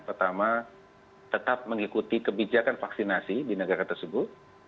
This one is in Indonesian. pertama tetap mengikuti kebijakan vaksinasi di negara tersebut